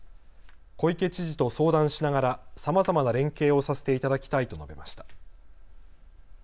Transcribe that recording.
小池知事と相談しながらさまざまな連携をさせていただきたいと述べました。